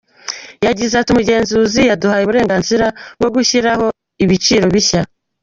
Yagize ati “Umugenzuzi yaduhaye uburenganzira bwo gushyiraho ibiciro bishya.